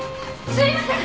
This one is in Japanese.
すいません！